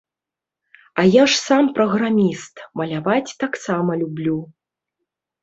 А я ж сам праграміст, маляваць таксама люблю.